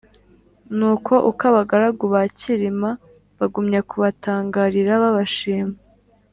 nuko uko abagaragu ba cyilima bagumya kubatangarira babashima,